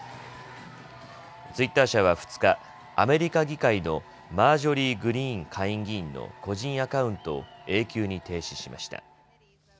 ツイッター社は２日アメリカ議会のマージョリー・グリーン下院議員の個人アカウントを永久に停止しました。